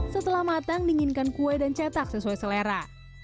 setelah matang dinginkan kue dan cetak sesuai selera